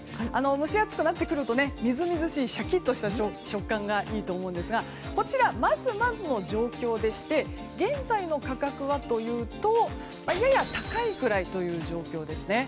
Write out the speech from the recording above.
蒸し暑くなってくるとみずみずしいしゃきっとした食感がいいと思うんですがこちらはまずまずの状況でして現在の価格は、やや高いぐらいという状況ですね。